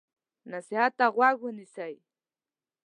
نصیحت ته غوږ ونیسئ.